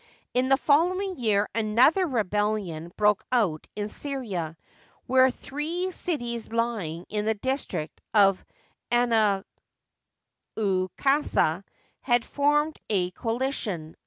In the following year another rebellion broke out in Syria, where three cities lying in the district of Anaukasa had formed a coalition.